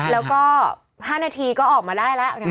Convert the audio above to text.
แล้วก็๕นาทีก็ออกมาได้แล้ว